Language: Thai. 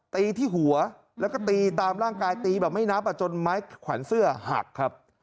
ตีที่หัวแล้วก็ตีตามร่างกายตีแบบไม่นับจนไม้แขวนเสื้อหักครับ